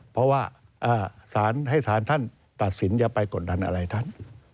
เพราะว่าสารให้สารท่านตัดสินจะไปกดดันอะไรท่าน